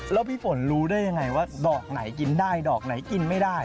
แล้วพี่ฝนรู้ได้ยังไงว่าดอกไหนกินได้ดอกไหนกินไม่ได้